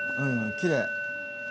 きれい。